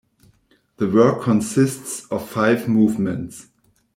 The work consists of five movements.